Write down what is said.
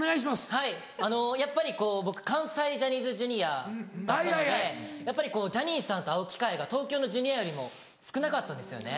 はいあのやっぱりこう僕関西ジャニーズＪｒ．だったのでやっぱりジャニーさんと会う機会が東京のＪｒ．よりも少なかったんですよね。